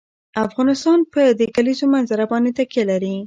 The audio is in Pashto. افغانستان په د کلیزو منظره باندې تکیه لري.